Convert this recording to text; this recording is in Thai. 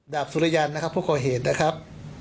สุริยันนะครับผู้ก่อเหตุนะครับ